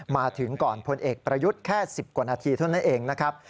มาถึงก่อนพลเอกประยุทธ์แค่๑๐กว่านาทีเท่านั้นเองนะครับ